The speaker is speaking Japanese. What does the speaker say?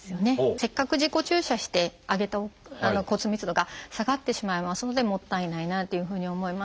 せっかく自己注射して上げた骨密度が下がってしまいますのでもったいないなというふうに思いますし。